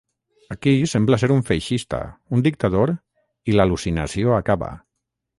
Aquí sembla ser un feixista, un dictador i l'al·lucinació acaba.